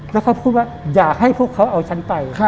แล้วเขาพูดว่าอยากให้พวกเขาเอาฉันไป